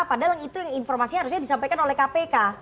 padahal itu yang informasinya harusnya disampaikan oleh kpk